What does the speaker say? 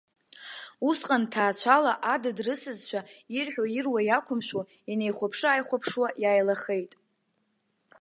Усҟан ҭаацәала адыд рысызшәа, ирҳәо-ируа иақәымшәо, инеихәаԥшыааихәаԥшуа иааилахеит.